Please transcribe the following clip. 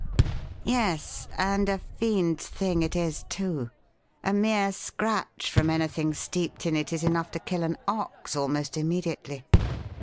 "Yes. And a fiend's thing it is, too. A mere scratch from anything steeped in it is enough to kill an ox almost immediately.